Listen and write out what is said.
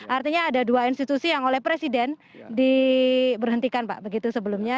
artinya ada dua institusi yang oleh presiden diberhentikan pak begitu sebelumnya